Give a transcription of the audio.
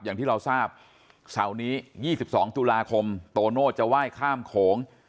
อย่างที่เราทราบเสาร์นี้๒๒ตุลาคมโตโน่จะไหว้ข้ามโขง